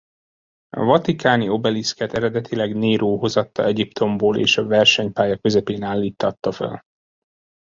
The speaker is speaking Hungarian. A vatikáni obeliszket eredetileg Nero hozatta Egyiptomból és a versenypálya közepén állíttatta fel.